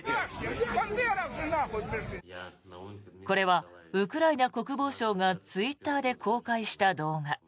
これはウクライナ国防省がツイッターで公開した動画。